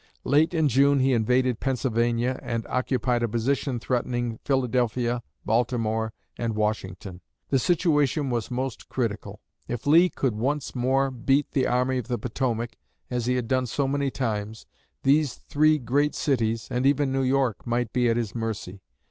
Late in June he invaded Pennsylvania, and occupied a position threatening Philadelphia, Baltimore, and Washington. The situation was most critical. If Lee could once more beat the Army of the Potomac, as he had done so many times, these three great cities, and even New York, might be at his mercy.